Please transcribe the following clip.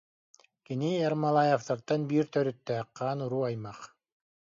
Кини Ермолаевтартан биир төрүттээх, хаан уруу аймах